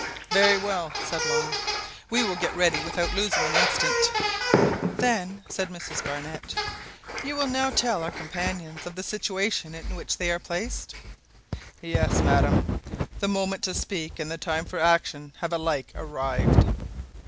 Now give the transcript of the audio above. "Very well," said Long, "we will get ready without losing an instant." "Then," said Mrs Barnett, "you will now tell our companions of the situation in which they are placed?" "Yes, madam, the moment to speak and the time for action have alike arrived."